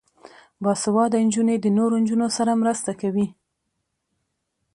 باسواده نجونې د نورو نجونو سره مرسته کوي.